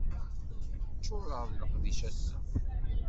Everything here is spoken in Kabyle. Ččureɣ d leqdic ass-a.